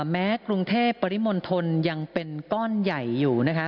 กรุงเทพปริมณฑลยังเป็นก้อนใหญ่อยู่นะคะ